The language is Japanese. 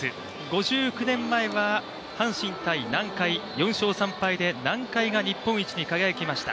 ５９年前は阪神×南海４勝３敗で南海が日本一に輝きました。